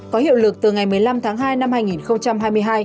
có hiệu lực từ ngày một mươi năm tháng hai năm hai nghìn hai mươi hai